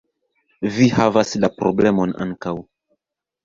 - Vi havas la problemon ankaŭ